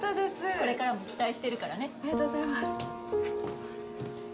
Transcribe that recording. これからも期待してるからありがとうございます